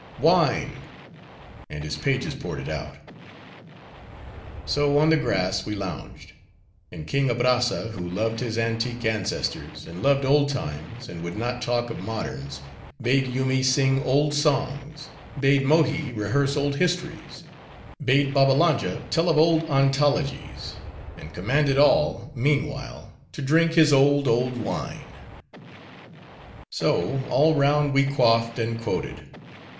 "Wine!" and his pages poured it out. So on the grass we lounged; and King Abrazza, who loved his antique ancestors; and loved old times; and would not talk of moderns;—bade Yoomy sing old songs; bade Mohi rehearse old histories; bade Babbalanja tell of old ontologies; and commanded all, meanwhile, to drink his old, old wine. So, all round we quaffed and quoted.